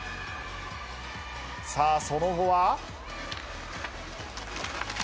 さあ、その後は。